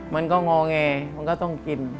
มันก็งอแงมันก็ต้องกิน